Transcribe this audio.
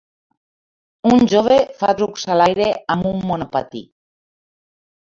un jove fa trucs a l'aire amb un monopatí